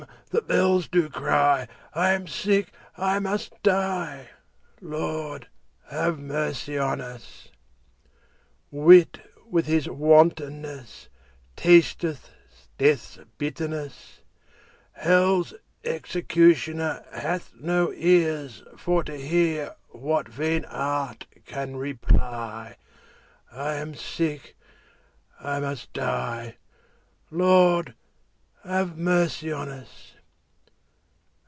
the bells do cry; I am sick, I must die— Lord, have mercy on us! Wit with his wantonness Tasteth death's bitterness; 30 Hell's executioner Hath no ears for to hear What vain art can reply; I am sick, I must die— Lord, have mercy on us!